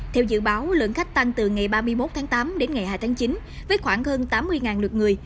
theo dự báo lượng khách tăng từ ngày ba mươi một tháng tám đến ngày hai tháng chín với khoảng hơn tám mươi lượt người